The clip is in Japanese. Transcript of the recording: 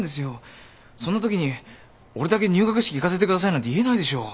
そんなときに俺だけ「入学式行かせてください」なんて言えないでしょ。